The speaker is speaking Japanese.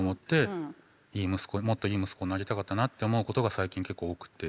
いい息子もっといい息子になりたかったなって思うことが最近結構多くて。